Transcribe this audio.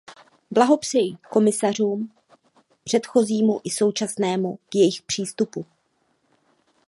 Blahopřeji komisařům, předchozímu i současnému, k jejich přístupu.